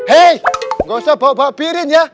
hei nggak usah bawa bawa pirin ya